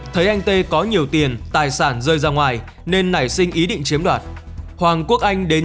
thấy anh tê có nhiều tiền tài sản rơi ra ngoài nên nảy sinh ý định chiếm đoạt hoàng quốc anh đến